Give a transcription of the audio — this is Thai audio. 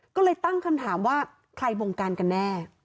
ก็เลยตั้งคำถามว่าใครบงการกันแน่